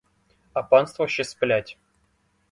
А панство ще сплять.